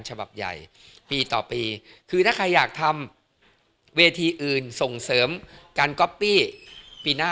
ฉบับใหญ่ปีต่อปีคือถ้าใครอยากทำเวทีอื่นส่งเสริมการก๊อปปี้ปีหน้า